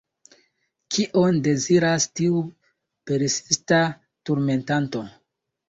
Kion deziras tiu persista turmentanto?